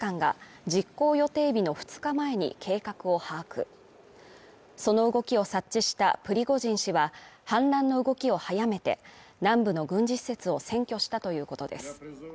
しかし、ロシアの情報機関が実行予定日の２日前に計画を把握その動きを察知したプリゴジン氏は反乱の動きを速めて南部の軍事施設を占拠したということです。